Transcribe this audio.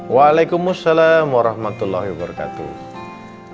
waalaikumussalam warahmatullahi wabarakatuh